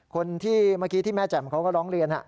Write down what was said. คนที่เมื่อกี้ที่แม่แจ่มเขาก็ร้องเรียน